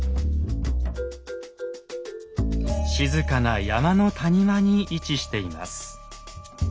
静かな山の谷間に位置しています。